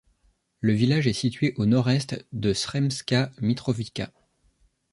Le village est situé au nord-est de Sremska Mitrovica.